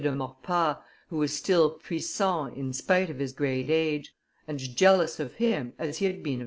de Maurepas, who was still puissant in spite of his great age, and jealous of him as he had been of M.